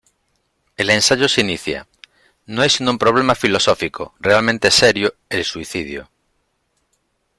El ensayo se inicia: "No hay sino un problema filosófico realmente serio: el suicidio".